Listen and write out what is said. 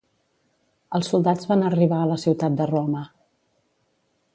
Els soldats van arribar a la ciutat de Roma.